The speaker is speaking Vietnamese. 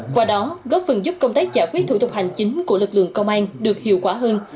qua đó góp phần giúp công tác giải quyết thủ tục hành chính của lực lượng công an được hiệu quả hơn